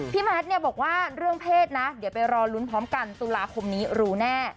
ที่เด็นในงานเมื่อวันนี้ด้วยเหมือนกันนะคะ